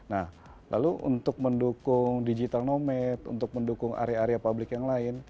nah lalu untuk mendukung digital nomad untuk mendukung area area publik yang lain